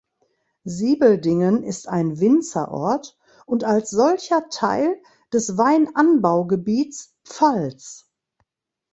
Siebeldingen ist ein Winzerort und als solcher Teil des Weinanbaugebiets Pfalz.